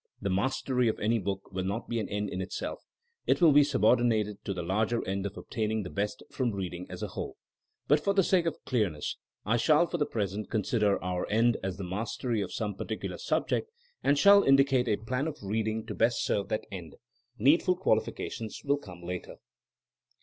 The mastery of any book will not be an end in itself. It will be subordinated to the larger end of obtaining the best from reading as a whole. But for the sake of clearness, I shall for the present consider our end as the mastery of some particular sub ject, and shall indicate a plan of reading to best serve that end. Needful qualifications will come later.